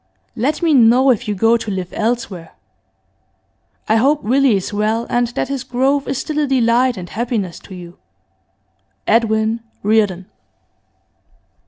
Let me know if you go to live elsewhere. I hope Willie is well, and that his growth is still a delight and happiness to you. 'EDWIN REARDON.